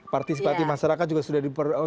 partisipasi masyarakat juga sudah